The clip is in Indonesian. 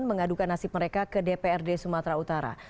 mengadukan nasib mereka ke dprd sumatera utara